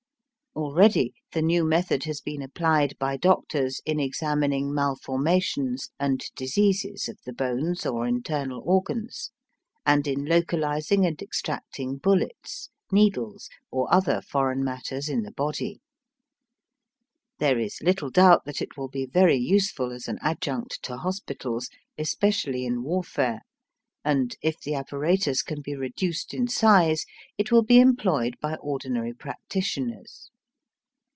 Already the new method has been applied by doctors in examining malformations and diseases of the bones or internal organs, and in localising and extracting bullets, needles, or other foreign matters in the body. There is little doubt that it will be very useful as an adjunct to hospitals, especially in warfare, and, if the apparatus can be reduced in size, it will be employed by ordinary practitioners.